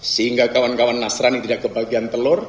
sehingga kawan kawan nasrani tidak kebagian telur